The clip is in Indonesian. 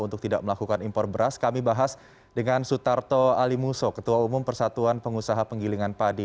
terima kasih mas aldi